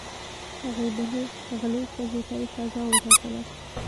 هغې بلې غلې ښځې ته یې سزا وټاکله.